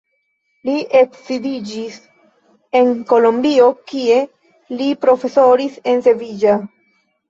Li ekziliĝis en Kolombio, kie li profesoris en Sevilla.